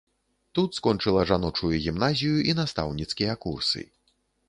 Тут скончыла жаночую гімназію і настаўніцкія курсы.